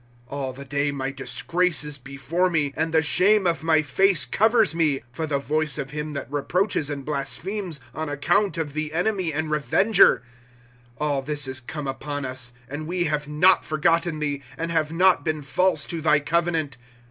'^ All the day my disgi ace is before me, And the shame of iny face covers me ;^'^ For the voice of him that reproaches and blasphemes, On account of the enemy and revenger, " AH this is come upon us ; and we have not forgotten thee, And have not been false to thy covenant.